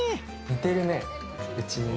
似てるねうちに。